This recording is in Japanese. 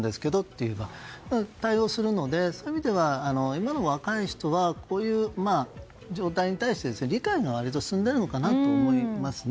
そう対応するのでそういう意味で今の若い人はこういう状態に対して理解が割と進んでいるのかなと思いますね。